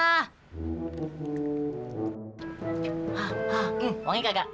hah hah wangi kagak